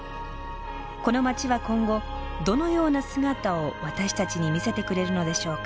この街は今後どのような姿を私たちに見せてくれるのでしょうか？